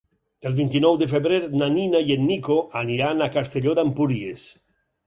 El vint-i-nou de febrer na Nina i en Nico aniran a Castelló d'Empúries.